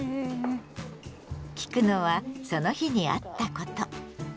聞くのはその日にあったこと。